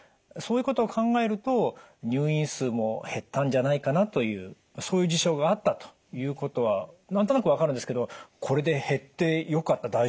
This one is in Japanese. そういうことを考えると入院数も減ったんじゃないかなというそういう事象があったということは何となく分かるんですけどこれで減ってよかった？